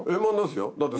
だって。